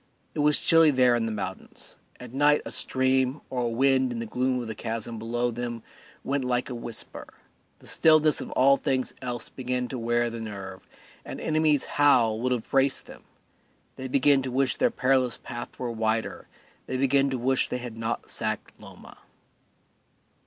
It was chilly there in the mountains; at night a stream or a wind in the gloom of the chasm below them went like a whisper; the stillness of all things else began to wear the nerve an enemy's howl would have braced them; they began to wish their perilous path were wider, they began to wish that they had not sacked Loma.